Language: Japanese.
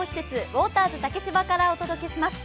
ウォーターズ竹芝からお届します。